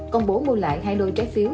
công bố mua lại hai lô trái phiếu